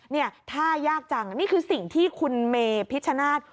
เนี่ยท่ายากจังนี่คือสิ่งที่คุณเมพิชชนาธิ์